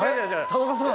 田中さん